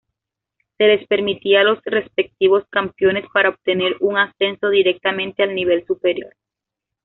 Se les permitía Los respectivos campeones para obtener un ascenso directamente al nivel superior.